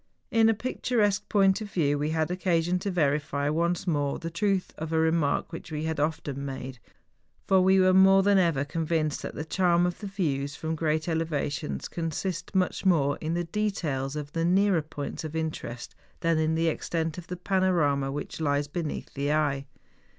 In a picturesque point of view we had occasion to verify, once more, the truth of a remark which we had often made; for we were more than ever convinced that the charm of the views, from great elevations, consists much more in the details of the nearer points of interest than in the extent of the panorama which lies THE GALENSTOCK. 89 beneath the eye.